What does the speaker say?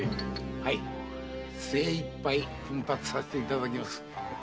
はい精いっぱい奮発させていただきます。